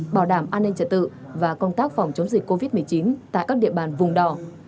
bảo đảm an ninh trật tự và công tác phòng chống dịch covid một mươi chín tại các địa bàn vùng đỏ